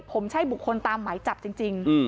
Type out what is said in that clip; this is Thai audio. ผมใช่บุคคลตามหมายจับจริง